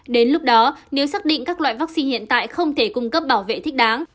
đến lúc đó nếu xác định các loại vaccine hiện tại không thể cung cấp bảo vệ thích đáng